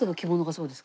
そうです。